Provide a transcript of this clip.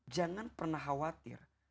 jangan pernah khawatir